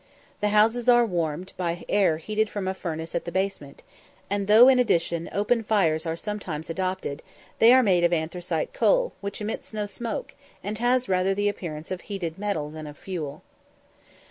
The houses are warmed by air heated from a furnace at the basement; and though in addition open fires are sometimes adopted, they are made of anthracite coal, which emits no smoke, and has rather the appearance of heated metal than of fuel.